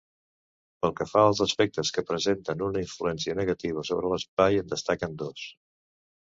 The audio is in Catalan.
Pel que fa als aspectes que presenten una influència negativa sobre l’espai en destaquen dos.